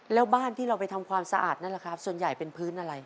แล้วบ้านที่เราไปทำความสะอาดนั่นแหละครับส่วนใหญ่เป็นพื้นอะไร